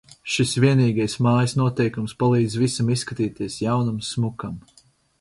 Šis vienīgais mājas noteikums palīdz visam izskatīties jaunam, smukam.